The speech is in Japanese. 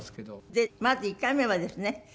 でまず１回目はですね